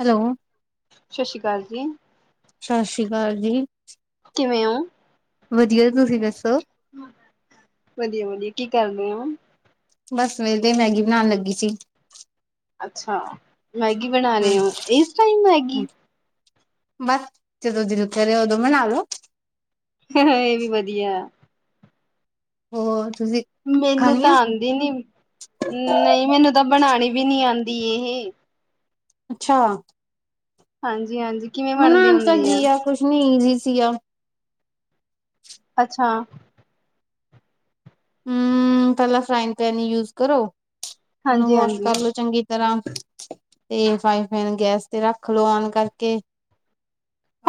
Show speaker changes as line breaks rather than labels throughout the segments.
Hello.
ਸਤਿ ਸ਼੍ਰੀ ਅਕਾਲ ਜੀ।
ਸਤਿ ਸ੍ਰੀ ਅਕਾਲ ਜੀ।
ਕਿਵੇਂ ਹੋ?
ਵਧੀਆ ਤੁਸੀਂ ਦੱਸੋ।
ਵਧੀਆ ਵਧੀਆ ਕੀ ਕਰ ਰ ਆ
ਬਸ ਮੇਰੇ ਤੇ ਮੈਗੀ ਬਣਾਉਣ ਲੱਗੀ ਸੀ
ਅੱਛਾ ਮੈਗੀ ਬਣਾ ਰਹੇ ਹੋ
ਹਮ
ਇਸ ਟਾਈਮ ਮੈਗੀ
ਬਸ ਜਦੋਂ ਦਿਨ ਘਰੇ ਉਦੋਂ ਮਣਾ ਲੋ
ਹ ਇਹ ਵੀ ਵਧੀਆ
ਉਹ ਤੁਸੀਂ
ਮੈਨੂੰ
ਖਾਣੀ
ਤਾਂ
ਆ
ਆਉਂਦੀ ਨੀ ਨਹੀਂ ਮੈਨੂੰ ਤਾਂ ਬਣਾਉਣੀ ਵੀ ਨੀ ਆਉਂਦੀ ਇਹ
ਅੱਛਾ
ਹਾਂਜੀ ਹਾਂਜੀ ਕਿਵੇਂ ਬਣਦੀ
ਮਨਾਉਣ
ਹੁੰਦੀ
ਚਗੀ ਆ ਕੁਛ ਨੀ ਈਜ਼ੀ ਸੀਗਾ
ਅੱਛਾ।
ਹੂੰ, ਪਹਿਲਾਂ ਫਰਾਈਨ ਪੈਨ ਯੂਜ ਕਰੋ ਉਹਨੂੰ
ਹਾਂਜੀ
ਵਾਸ਼
ਹਾਂਜੀ।
ਕਰਲੋ ਚੰਗੀ ਤਰ੍ਹਾਂ ਏ ਫਰਾਈ ਬਿਨ ਗੈਸ ਤੇ ਰੱਖਲੋ ਓਨ ਕਰਕੇ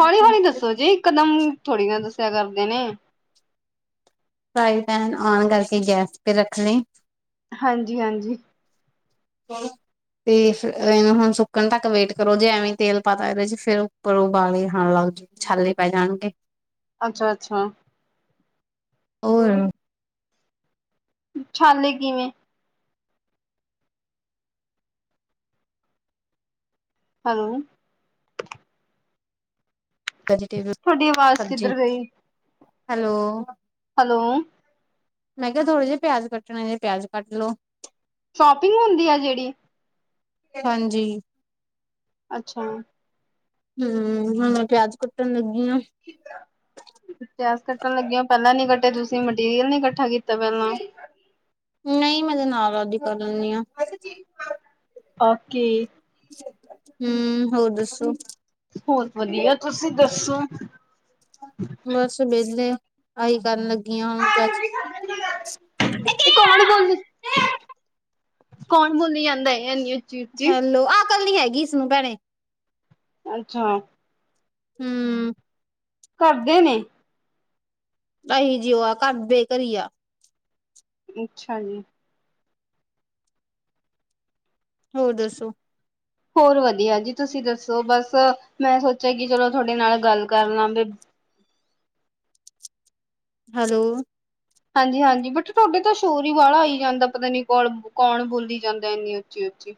ਹੌਲੀ ਹੌਲੀ ਦੱਸੋ ਜੀ ਇਕਦਮ ਥੋੜੀ ਨਾ ਦੱਸਿਆ ਕਰਦੇ ਨੇ
ਫਰਾਈਬੀਨ ਓਨ ਕਰਕੇ ਗੈਸ ਤੇ ਰੱਖਣੇ
ਹਾਂਜੀ ਹਾਂਜੀ
ਚ ਤੇ ਫਿਰ ਇਹਨੂੰ ਹੁਣ ਸੁੱਕਣ ਤੱਕ ਵੇਟ ਕਰੋ ਜੇ ਐਵੇਂ ਤੇਲ ਪਾਤਾ ਇਹਦੇ ਜ ਫੇਿਰ ਉੱਪਰ ਉਬਾਲੇ ਖਾਣ ਲੱਗ ਜਾ ਛਾਲੇ ਪੈ ਜਾਣਗੇ
ਅੱਛਾ ਅੱਛਾ
ਔਰ
ਛੇ ਕਿਵੇਂ ਹੈਲੋ ਤੁਹਾਡੀ ਆਵਾਜ਼
ਸਜ਼ੀਆਂ
ਕਿੱਧਰ ਗਈ
ਹੈਲੋ
ਹੈਲੋ
ਮੈਂ ਕਿਹਾ ਥੋੜੇ ਜਿਹੇ ਪਿਆਜ ਕੱਟਣੇ ਜੇ ਪਿਆਜ ਕੱਟ ਲੋ
ਸ਼ੋਪਿੰਗ ਹੁੰਦੀ ਆ ਜਿਹੜੀ
ਹਾਂਜੀ
ਅੱਛਾ
ਹਮ ਮੈਂ ਪਿਆਜ ਕੱਟਣ ਲੱਗੀ ਆ
ਪਿਆਸ ਕੱਟਣ ਲੱਗੇ ਹੋ ਪਹਿਲਾਂ ਨੀ ਕੱਟੇ ਤੁਸੀਂ ਮਟੀਰੀਅਲ ਨੀ ਕੱਠਾ ਕੀਤਾ ਪਹਿਲਾਂ
ਨਹੀਂ ਮੈਂ ਤੇ ਨਾਲ ਰਾ ਹੀ ਕਰ ਲੈਂਦੀ ਹਾਂ
ਕੇ
ਹਮ ਹੌ ਹੋਰ ਦਸੋ
ਹੋਰ ਵਧੀਆ ਤੁਸੀਂ ਦੱਸੋ
ਬਸ ਵਿਹਲੇ ਆਹੀ ਕਰਨ ਲੱਗੀਆਂ ਹੁਣ
ਇਹ ਕੌਣ ਬੋਲੀ ਕੌਣ ਬੋਲੀ ਜਾਂਦਾ ਨਹੀਂ
ਹੈਲੋ ਆਹ ਕੱਲ ਨੀ ਹੈਗੀ ਇਸਨੂੰ ਭੈਣੇ
ਅੱਛਾ
ਹਮ
ਕਰਦੇ ਨੇ
ਅਸੀਂ ਜਿਉ ਆ ਘਰ ਬੇਘਰੀ ਆ
ਅੱਛਾ ਜੀ
ਹੋਰ ਦੱਸੋ
ਹੋਰ ਵਧੀਆ ਜੀ ਤੁਸੀਂ ਦੱਸੋ ਬਸ ਮੈਂ ਸੋਚਿਆ ਕਿ ਚਲੋ ਤੁਹਾਡੇ ਨਾਲ ਗੱਲ ਕਰ ਲਵਗੇ
ਹੈਲੋ
ਹਾਂਜੀ ਹਾਂਜੀ ਬਟ ਤੁਹਾਡੇ ਤਾਂ ਸ਼ੋਰ ਹੀ ਵਾਲਾ ਆ ਹੀ ਜਾਂਦਾ ਪਤਾ ਨੀ ਕੌ ਕੌਣ ਬੋਲੀ ਜਾਂਦਾ ਇੰਨੀ ਉੱਚੀ ਉੱਚੀ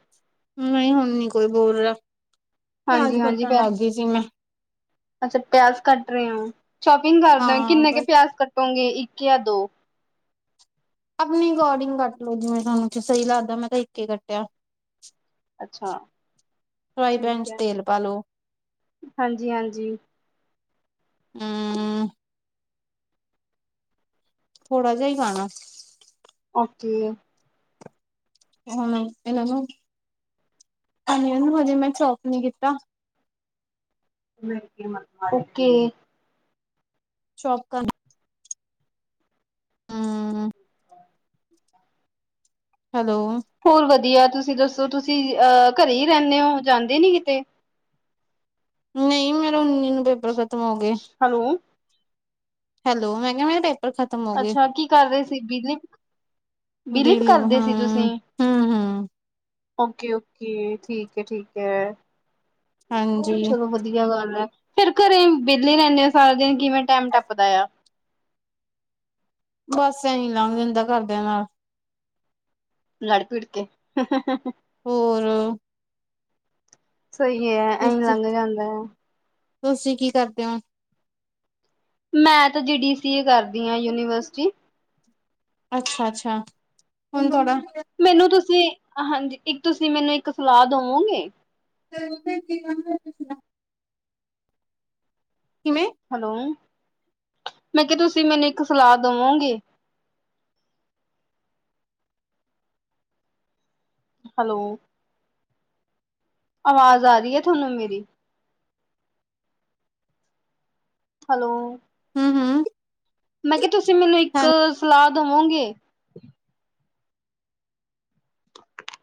ਨਹੀਂ ਹੁਣ ਨੀ ਕੋਈ ਬੋਲ ਰਿਹਾ ਪਿਆਜ
ਹਾਂਜੀ ਹਾਂਜੀ
ਕੱਟਣ
ਪਿਆ
ਲੱਗ ਗਈ ਸੀ ਮੈਂ
ਅੱਛਾ ਪਿਆਸ ਕੱਟ ਰਹੇ ਆ ਸ਼ੋਪਿੰਗ ਕਰਦੇਓ
ਹਾਂ
ਕਿੰਨੇ ਕੁ
ਬਸ
ਪਿਆਸ ਕੱਟੋਗੇ ਇੱਕ ਜਾਂ ਦੋ
ਆਪਣੀ ਅਕੋਰਡਿੰਗ ਕੱਟ ਲੋਓ ਜਿਵੇਂ ਤੁਹਾਨੂੰ ਸਹੀ ਲੱਗਦਾ ਮੈਂ ਤਾਂ ਇੱਕੇ ਕੱਟਿਆ
ਅੱਛਾ
ਫਰਾਈ ਪੈਨ
ਠੀਕ
ਚ
ਹੈ
ਤੇਲ ਪਾ ਲੋ
ਹਾਂਜੀ ਹਾਂਜੀ
ਹਮ ਥੋੜ੍ਹਾ ਜਿ ਹੀ ਖਾਣਾ
ਓਕੇ
ਹੁਣ ਇਹਨਾਂ ਨੂੰ ਇਹਨੂੰ ਹਜੇ ਮੈਂ ਚੋਪ ਨੀ ਕੀਤਾ
ਓਕੇ
ਸ਼ੋਪ ਕਰ ਹਮ ਹੈਲੋ
ਹੋਰ ਵਧੀਆ ਤੁਸੀਂ ਦੱਸੋ ਤੁਸੀਂ ਅ ਘਰੇ ਹੀ ਰਹਿੰਦੇ ਹੋ ਜਾਂਦੇ ਨੀ ਕਿਤੇ
ਨਹੀਂ ਮੇਰੇ ਉਨੀ ਨੂੰ ਪੇਪਰ ਖਤਮ ਹੋ ਗਏ
ਹੈਲੋ
ਹੈਲੋ ਮਿੰ ਕਿਹਾ ਮੇਰੇ ਪੇਪਰ ਖ
ਅੱਛਾ ਕੀ ਕਰਦੇ ਸੀ ਬਲੀ ਬਲੀਪ
ਬਿਲੀਵ
ਕਰਦੇ
ਹਾਂ
ਸੀ ਤੁਸੀਂ
ਹਮ ਹਮ
ਓਕੇ ਓਕੇ ਠੀਕ ਹੈ ਠੀਕ ਹੈ
ਹਾਂ
ਚਲੋ ਵਧੀਆ ਗੱਲ ਹੈ ਫੇਰ ਘਰੇ ਵਿਹਲੇ ਰਹਿੰਦੇ ਆ ਸਾਰੇਾ ਦਿਨ ਕਿਵੇਂ ਟਾਈਮ ਟੱਪਦਾ ਆ
ਬਸ ਇਹੀ ਲੰਘ ਦਦਾ ਘਰਦਿਆਂ ਨਾਲ
ਲੜ ਪੀੜ ਕੇ
ਹੋਰ
ਸਹੀ ਹੈ ਇਹੀਂ
ਤੁਸੀਂ
ਲੰਘ ਜਾਂਦਾ ਹੈ
ਤੁਸੀਂ ਕੀ ਕਰਦੇ ਹੋ
ਮੈਂ ਤਾਂ ਜੀ ਡੀ ਸੀ ਏ ਕਰਦੀ ਹਾਂ ਯੂਨੀਵਰਸਿਟੀ
ਅੱਛਾ ਅੱਛਾ ਹੁਣ ਥੋੜਾ
ਮੈਨੂੰ ਤੁਸੀਂ ਹਾਂਜੀ ਇੱਕ ਤੁਸੀਂ ਮੈਨੂੰ ਇੱਕ ਸਲਾਹ ਦਵੋਗੇ
[unintelligible] ਕਿਵੇਂ
ਹੈਲੋ ਮੈਂ ਕਿਹਾ ਤੁਸੀਂ ਮੈਨੂੰ ਇੱਕ ਸਲਾਹ ਦੇਵੋਗੇ ਹੈਲੋ ਆਵਾਜ਼ ਆ ਰਹੀ ਹੈ ਤੁਹਾਨੂੰ ਮੇਰੀ ਹੈਲੋ
ਹਮ ਹਮ
ਮੈਂ ਕਿਹਾ ਤੁਸੀਂ ਮੈਨੂੰ ਇੱਕ ਸਲਾਹ ਦੇਵੋਗੇ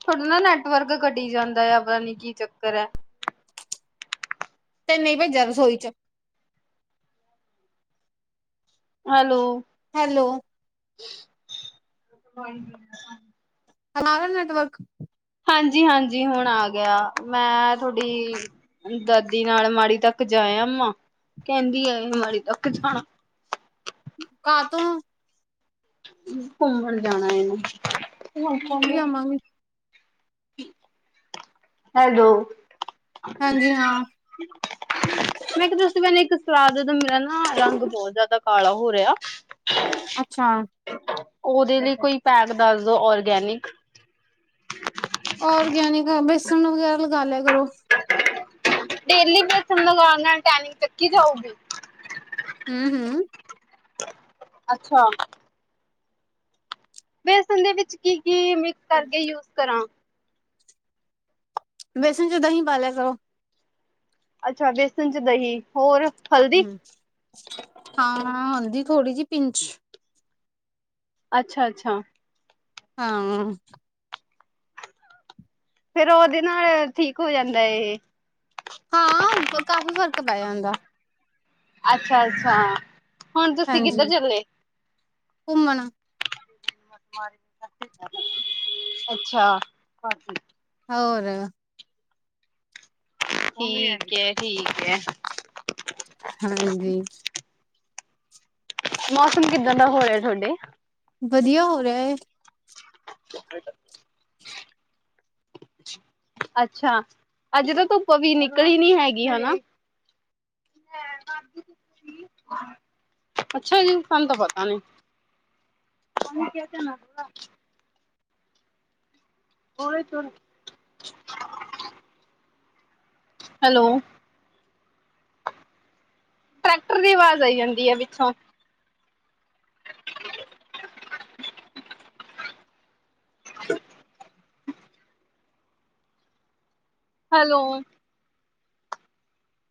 ਤੁਥੋਡਾ ਨਾ ਨੈਟਵਰਕ ਘਟੀ ਜਾਂਦਾ ਆ ਪਤਾ ਨੀ ਕੀ ਚੱਕਰ ਹੈ
ਤਨ ਨਹੀਂ ਭੇਜਿਆ ਰਸੋਈ ਚ
ਹੈਲੋ
ਹੈਲੋ
[unintelligible]
ਹੁਣ ਆ ਰਿਹਾ ਹੈ ਨੈਟਵਰਕ
ਹਾਂਜੀ ਹਾਂਜੀ ਹੁਣ ਆ ਗਿਆ ਮੈਂ ਤੁਹਾਡੀ ਦਾਦੀ ਨਾਲ ਮਾੜੀ ਤੱਕ ਜਾਆ ਮਾ ਕਹਿੰਦੀ ਆ ਮਾੜੀ ਤੱਕ ਜਾਣਾ
ਕਾਹ ਤੋਂ
ਘੁੰਮਣ ਜਾਣਾ ਇਹਨੂੰ ਹੁਣ
ਲਿਆਵਾਂਗੇ
ਠੀਕ ਹੈਲੋ
ਹਾਂਜੀ ਹਾਂ
ਮੈਂ ਕਿਹਾ ਦਸੀਂ ਮੈਨੂੰ ਇੱਕ ਸਲਾਹ ਦਤਾ ਮੇਰਾ ਨਾ ਰੰਗ ਬਹੁਤ ਜ਼ਿਆਦਾ ਕਾਲਾ ਹੋ ਰਿਹਾ
ਅੱਛਾ
ਉਹਦੇ ਲਈ ਕੋਈ ਪੈਕ ਦੱਸਦੋ ਔਰਗੈਨਿਕ
ਔਰਗੈਨਿਕ ਬੇਸਣ ਵਗੈਰਾ ਲਗਾ ਲਿਆ ਕਰੋ
ਡੇਲੀ ਬਸ ਟੈਿੰਗ ਚੱਕੀ ਜਾਊਗੀ
ਹਮ ਹਮ।
ਅੱਛਾ। ਬੇਸਣ ਦੇ ਵਿੱਚ ਕੀ ਕੀ ਮਿਕਸ ਕਰਕੇ ਯੂਜ ਕਰਾਂ।
ਬੇਸਨ ਚ ਦਹੀਂ ਪਾ ਲਿਆ ਕਰੋ।
ਅੱਛਾ ਬੇਸਨ ਚ ਦਹੀਂ। ਹੋਰ। ਹਲਦੀ।
ਹਮ ਹਾਂ ਹਾਂ ਹੁੰਦੀ ਥੋੜੀ ਜਿਹੀ ਪਿੰਚ।
ਅੱਛਾ ਅੱਛਾ।
ਹਾਂ।
ਫਿਰ ਉਹਦੇ ਨਾਲ ਠੀਕ ਹੋ ਜਾਂਦਾ ਇਹ।
ਹਾਂ ਕਾਫ਼ੀ ਫ਼ਰਕ ਪੈ ਜਾਦਾਂ।
ਅੱਛਾ ਅੱਛਾ ਹੁਣ ਤੁਸੀਂ ਕਿੱਧਰ ਚੱਲੇ
ਘੁੰਮਣਾ
ਅੱਛਾ
ਹੋਰ
ਠੀਕ ਹੈ ਠੀਕ ਹੈ।
ਹਾਂਜੀ।
ਮੌਸਮ ਕਿਦਾਂ ਦਾ ਹੋਇਆ ਤੁਹਾਡੇ।
ਵਧੀਆ ਹੋ ਰਿਹਾ ਏ
ਅੱਛਾ ਅੱਜ ਤਾਂ ਧੁੱਪ ਵੀ ਨਿਕਲੀ ਨੀ ਹੈਗੀ ਹਨਾ। ਅੱਛਾ ਜੀ ਸਾਨੂੰ ਤਾਂ ਪਤਾ ਨੀ। [unintelligible] ਹੈਲੋ। ਟਰੈਕਟਰ ਦੀ ਆਵਾਜ਼ ਆਈ ਜਾਂਦੀ ਹੈ ਪਿਛੋਂ। [inaudible] ਹੈਲੋ।